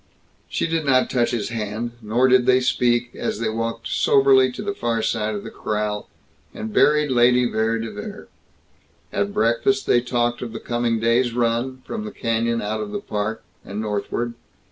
She did not touch his hand, nor did they speak as they walked soberly to the far side of the corral, and buried Lady Vere de Vere. At breakfast they talked of the coming day's run, from the canyon out of the Park, and northward.